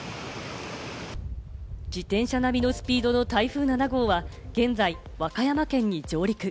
自転車並みのスピードの台風７号は現在、和歌山県に上陸。